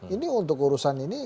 ini untuk urusan ini